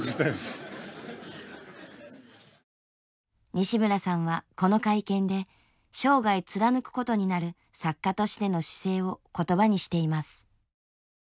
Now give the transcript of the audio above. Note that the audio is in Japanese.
西村さんはこの会見で生涯貫くことになる作家としての姿勢を言葉にしています。